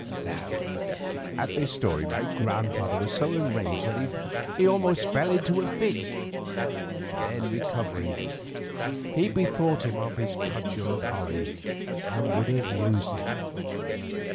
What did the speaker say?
Now at this story my grandfather was so enraged that he almost fell into a fit; then recovering, he bethought him of his cudgel of holly, and would have used it.